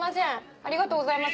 ありがとうございます。